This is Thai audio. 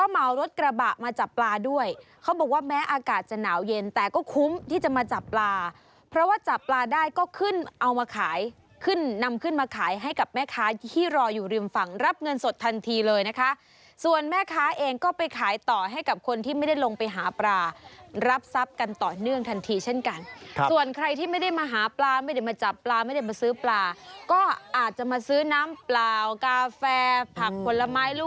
มาจับปลาเพราะว่าจับปลาได้ก็ขึ้นเอามาขายนำขึ้นมาขายให้กับแม่ค้าที่รออยู่ริมฝั่งรับเงินสดทันทีเลยนะคะส่วนแม่ค้าเองก็ไปขายต่อให้กับคนที่ไม่ได้ลงไปหาปลารับทรัพย์กันต่อเนื่องทันทีเช่นกันส่วนใครที่ไม่ได้มาหาปลาไม่ได้มาจับปลาไม่ได้มาซื้อปลาก็อาจจะมาซื้อน้ำเปล่ากาแฟผักผลไม้ล